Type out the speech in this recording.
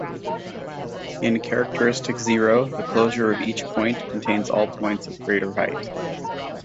In characteristic zero, the closure of each point contains all points of greater height.